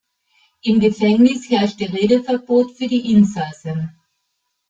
Im Gefängnis herrschte Redeverbot für die Insassen.